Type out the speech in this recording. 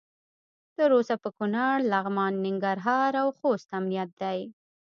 تر اوسه په کنړ، لغمان، ننګرهار او خوست امنیت دی.